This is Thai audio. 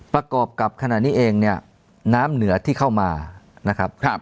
ประกอบกับขณะนี้เองเนี่ยน้ำเหนือที่เข้ามานะครับ